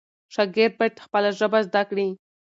شاګرد باید خپله ژبه زده کړي.